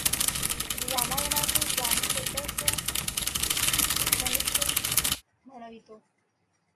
रामायणातील राम स्वतःस मनुष्यच म्हणवितो.